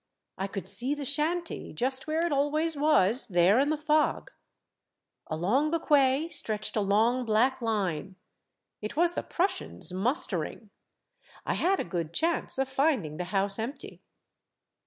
I could see the shanty, just where it always was, there in the fog. Along the quay stretched a long, black line. It was the Prussians, mustering. I had a good chance of finding the house empty.